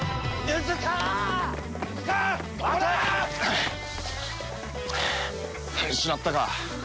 見失ったか。